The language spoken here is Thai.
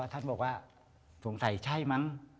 ท่านบอกว่าสงสัยใช่มั้ง